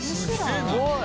すごい！